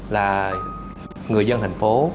là người dân thành phố